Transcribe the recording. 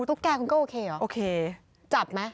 ตุ๊กแก่คุณก็โอเคหรอจับมั้ยโอเค